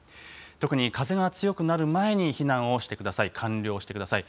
特に、風が強くなる前に避難をしてください、完了してください。